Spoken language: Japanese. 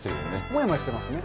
もやもやしてますね。